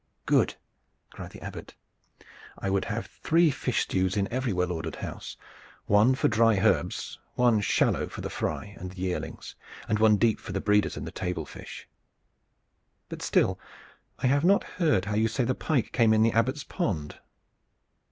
"Good!" cried the Abbot. "I would have three fish stews in every well ordered house one dry for herbs, one shallow for the fry and the yearlings, and one deep for the breeders and the tablefish. But still, I have not heard you say how the pike came in the Abbot's pond."